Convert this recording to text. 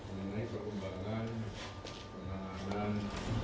mengenai perkembangan penanganan